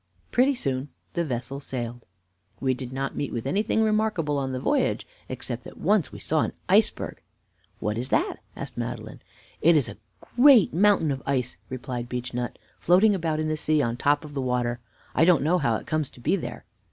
Pretty soon the vessel sailed. "We did not meet with anything remarkable on the voyage, except that once we saw an iceberg." "What is that?" asked Madeline. "It is a great mountain of ice," replied Beechnut, "floating about in the sea on the top of the water. I don't know how it comes to be there."